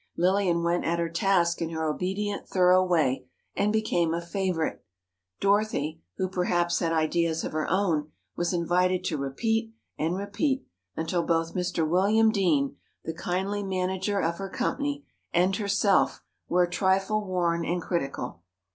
Lillian went at her task in her obedient, thorough way, and became a favorite. Dorothy, who perhaps had ideas of her own, was invited to repeat, and repeat, until both Mr. William Dean, the kindly manager of her company, and herself, were a trifle worn and critical.